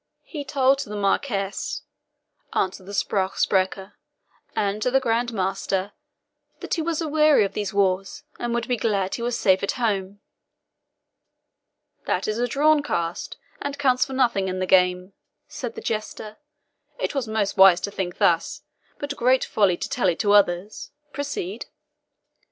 "He told to the Marquis," answered the SPRUCH SPRECHER, "and to the Grand Master, that he was aweary of these wars, and would be glad he was safe at home." "That is a drawn cast, and counts for nothing in the game," said the jester; "it was most wise to think thus, but great folly to tell it to others proceed."